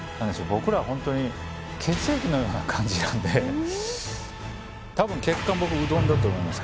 僕らホントに血液のような感じなんで多分血管僕うどんだと思います